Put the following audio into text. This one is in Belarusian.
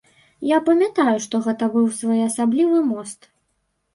Я памятаю, што гэта быў своеасаблівы мост.